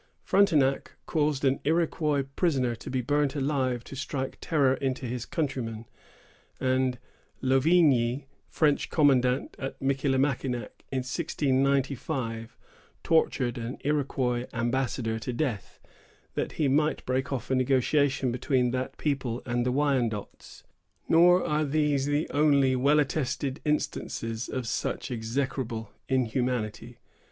Frontenac caused an Iroquois prisoner to be burnt alive to strike terror into his countrymen; and Louvigny, French commandant at Michillimackinac, in 1695, tortured an Iroquois ambassador to death, that he might break off a negotiation between that people and the Wyandots. Nor are these the only well attested instances of such execrable inhumanity.